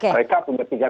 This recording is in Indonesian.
mereka cuma tiga titik temu